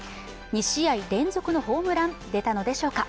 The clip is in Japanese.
２試合連続のホームラン、出たのでしょうか。